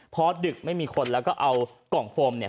พอดึกไม่มีคนแล้วก็เอากล่องโฟมเนี่ย